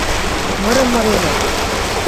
Мырым мыренӓ.